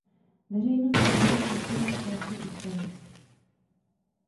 Veřejnost se může s některými částmi ústavu.